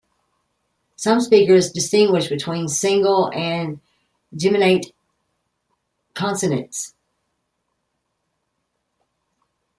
Some speakers distinguish between single and geminate consonants.